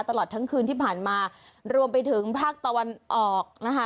ตลอดทั้งคืนที่ผ่านมารวมไปถึงภาคตะวันออกนะคะ